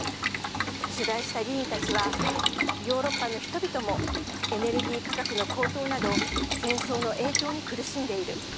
取材した議員たちはヨーロッパの人々もエネルギー価格の高騰など戦争の影響に苦しんでいる。